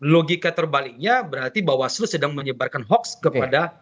logika terbaliknya berarti bawaslu sedang menyebarkan hoax kepada